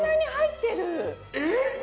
えっ。